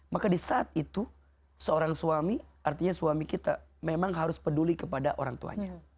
maka di saat itu seorang suami artinya suami kita memang harus peduli kepada orang tuanya